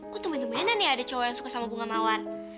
kok temen temenan ya ada cowok yang suka sama bunga mawar